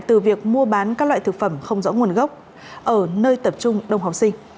từ việc mua bán các loại thực phẩm không rõ nguồn gốc ở nơi tập trung đông học sinh